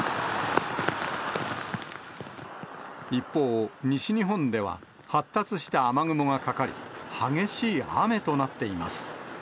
一方、西日本では、発達した雨雲がかかり、激しい雨となっています。